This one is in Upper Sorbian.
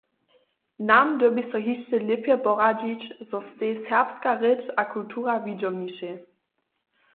Nam dyrbi so hišće lěpje poradźić, zo stej serbska rěč a kultura widźomnišej.